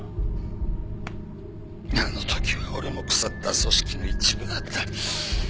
あの時は俺も腐った組織の一部だった。